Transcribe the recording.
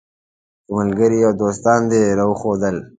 که ملګري او دوستان دې راوښودل.